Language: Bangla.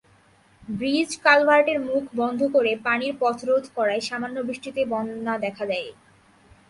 ব্রিজ-কালভার্টের মুখ বন্ধ করে পানির পথরোধ করায় সামান্য বৃষ্টিতেই বন্যা দেখা দেয়।